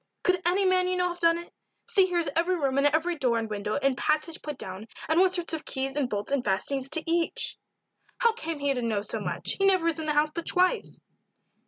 "Could any man you know have done it? See here is every room and every door and window and passage put down, and what sort of keys and bolts and fastenings to each." "How came he to know so much; he never was in the house but twice."